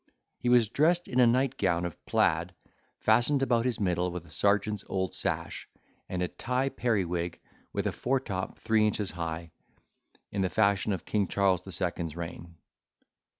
He was dressed in a night gown of plaid, fastened about his middle with a sergeant's old sash, and a tie periwig with a foretop three inches high, in the fashion of King Charles the Second's reign.